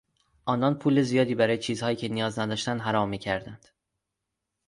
آنان پول زیادی برای چیزهایی که نیاز نداشتند حرام میکردند.